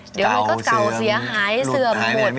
เดี๋ยวมันก็เก่าเสียหายเสื่อมหมด